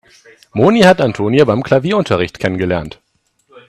Moni hat Antonia beim Klavierunterricht kennengelernt.